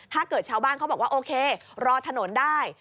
ถ้าเกิดชาวบ้านเขาบอกว่าโอเครอถนนได้